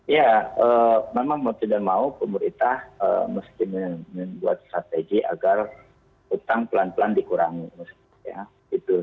ya memang mau tidak mau pemerintah mesti membuat strategi agar utang pelan pelan dikurangi